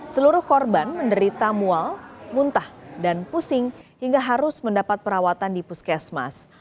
seluruh korban menderita mual muntah dan pusing hingga harus mendapat perawatan di puskesmas